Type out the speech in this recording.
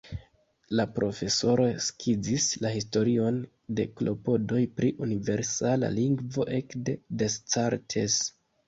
La profesoro skizis la historion de klopodoj pri universala lingvo ekde Descartes.